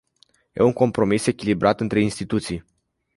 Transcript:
E un compromis echilibrat între instituții.